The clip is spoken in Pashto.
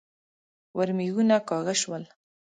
ورمېږونه کاږه شول.